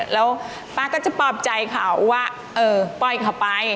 แล้วป้าก็จะปลอบใจเขาว่าเออปล่อยเขาไป